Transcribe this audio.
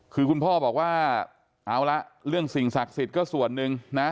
คือคุณพ่อบอกว่าเอาละเรื่องสิ่งศักดิ์สิทธิ์ก็ส่วนหนึ่งนะ